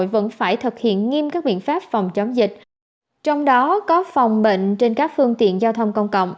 vẫn phải thực hiện nghiêm các biện pháp phòng chống dịch trong đó có phòng bệnh trên các phương tiện giao thông công cộng